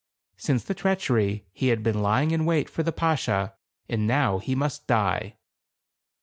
Since the treachery he had been lying in wait for the Bashaw, and now he must die.